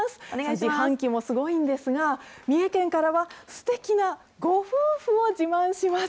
自販機もすごいんですが、三重県からは、すてきなご夫婦を自慢します。